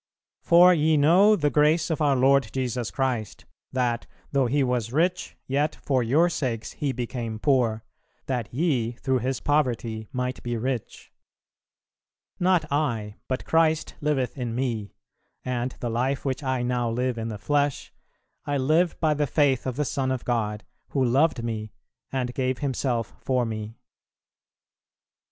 "For ye know the grace of our Lord Jesus Christ, that, though He was rich, yet for your sakes He became poor, that ye through His poverty might be rich." "Not I, but Christ liveth in me, and the life which I now live in the flesh, I live by the faith of the Son of God, who loved me and gave Himself for me."